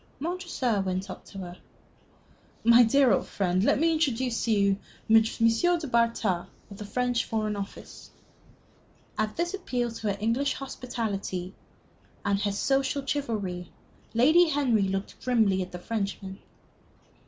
Montresor went up to her. "My dear old friend, let me introduce to you M. du Bartas, of the French Foreign Office." At this appeal to her English hospitality and her social chivalry, Lady Henry looked grimly at the Frenchman.